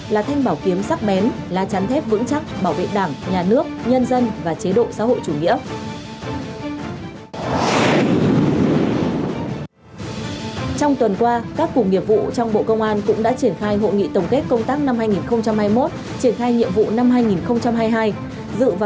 là thanh bảo kiếm sắc bén lá chắn thép vững chắc bảo vệ đảng nhà nước nhân dân và chế độ xã hội chủ nghĩa